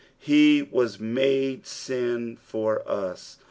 " He was mode sin for us."